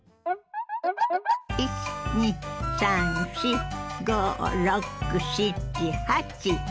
１２３４５６７８。